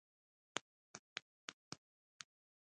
کندز د شمال د مهمو ولایتونو څخه ګڼل کیږي.